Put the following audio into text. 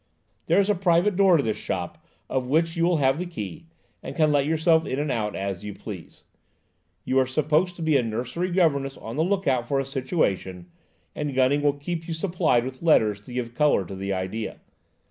There is a private door to this shop of which you will have the key, and can let yourself in and out as you please. You are supposed to be a nursery governess on the lookout for a situation, and Gunning will keep you supplied with letters to give colour to the idea.